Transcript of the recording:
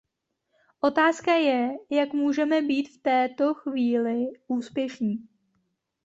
Otázka je, jak můžeme být v této chvíli úspěšní.